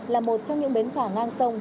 là một trong những bến phà ngang sông